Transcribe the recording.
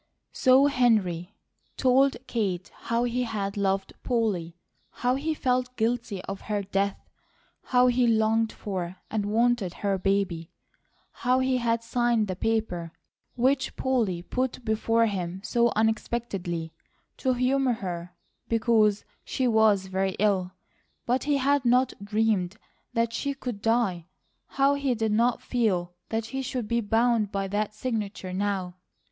So Henry told Kate how he had loved Polly, how he felt guilty of her death, how he longed for and wanted her baby, how he had signed the paper which Polly put before him so unexpectedly, to humour her, because she was very ill; but he had not dreamed that she could die; how he did not feel that he should be bound by that signature now.